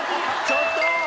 ちょっと！